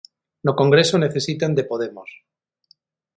No Congreso necesitan de Podemos.